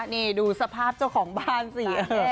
นี่ดูสภาพเจ้าของบ้านสิ